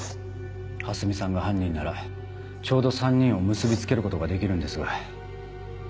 蓮見さんが犯人ならちょうど３人を結び付けることができるんですが。